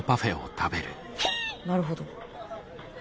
なるほど。